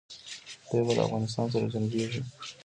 دی به له افغانانو سره جنګیږي.